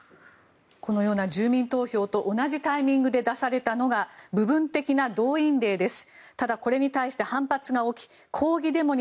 このような住民投票と同じタイミングで出されたのが部分的な動員令です。